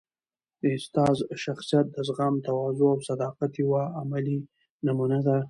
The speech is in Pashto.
د استاد شخصیت د زغم، تواضع او صداقت یوه عملي نمونه ده.